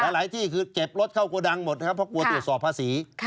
หลายที่คือเก็บรถเข้าโกดังหมดครับเพราะกลัวตรวจสอบภาษี